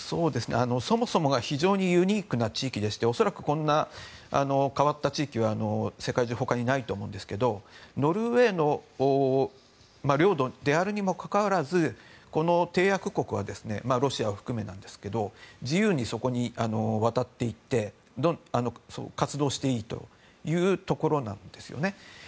そもそもが非常にユニークな地域でして恐らくこんな変わった地域は世界中ほかにないと思いますがノルウェーの領土であるにもかかわらずこの締約国はロシアを含めてですが自由にそこに渡っていって活動していいというところなんです。